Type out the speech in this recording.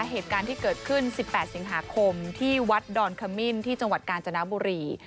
เหตุการณ์ที่เกิดขึ้น๑๘สิงหาคมที่วัดดอนขมิ้นที่จังหวัดกาญจนบุรี